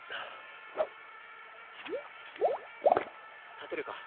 立てるか？